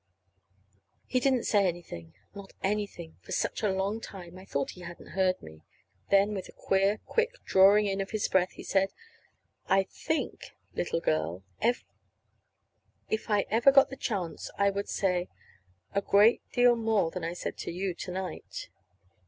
He didn't say anything, not anything, for such a long time I thought he hadn't heard me. Then, with a queer, quick drawing in of his breath, he said: "I think little girl if if I ever got the chance I would say a great deal more than I said to you to night."